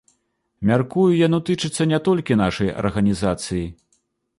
Мяркую, яно тычыцца не толькі нашай арганізацыі.